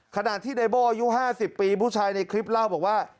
ขณะที่ในโบ้อายุ๕๐ปีผู้ชายในคลิปเล่าบอกว่า